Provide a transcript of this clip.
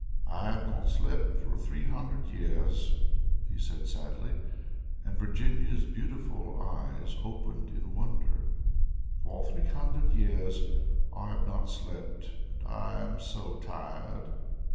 "I have not slept for three hundred years," he said sadly, and Virginia's beautiful blue eyes opened in wonder; "for three hundred years I have not slept, and I am so tired."